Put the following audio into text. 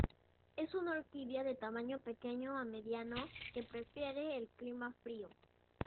Es una orquídea de tamaño pequeño a mediano, que prefiere el clima frío.